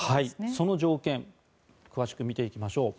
その条件を詳しく見ていきましょう。